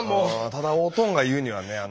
ただおとんが言うにはねあの。